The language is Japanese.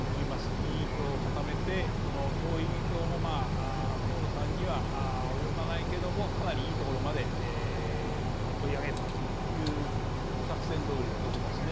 議員票を固めて党員票も河野さんには及ばないけれども、かなりいいところまで追い上げる作戦どおりだと思いますね。